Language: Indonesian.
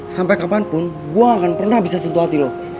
sampai kapanpun gue gak akan pernah bisa sentuh hati lo